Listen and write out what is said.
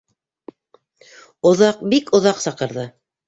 Оҙаҡ, бик оҙаҡ саҡырҙы.